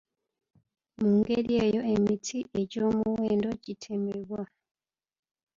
Mu ngeri eyo, emiti egy'omuwendo gitemebwa.